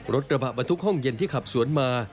รถบรรทุกห้องเย็นที่ขับสวนมา